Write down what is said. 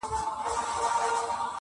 درواري دي سم شاعر سه قلم واخله.